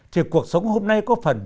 thì cuộc sống hôm nay có phần